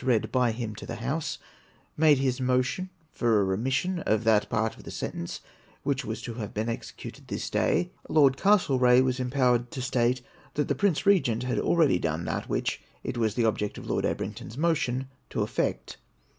read by him to the House, made his motion for a remission of that part of the sentence which was to have been executed this day, Lord Castlereagh was empowered to state that the Piince Eegent had already done that which it was the object of Lord Ebrington's motion to effect.